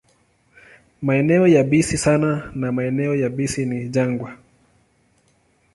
Maeneo yabisi sana na maeneo yabisi ni jangwa.